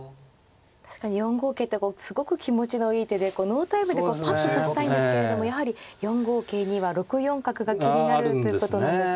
確かに４五桂ってすごく気持ちのいい手でノータイムでパッと指したいんですけれどもやはり４五桂には６四角が気になるということなんですね。